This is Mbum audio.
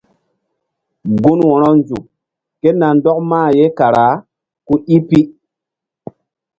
Gun wo̧ronzuk ké na ndɔk mah ye kara ku i pi.